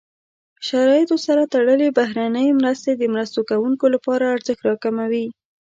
شرایطو سره تړلې بهرنۍ مرستې د مرسته کوونکو لپاره ارزښت راکموي.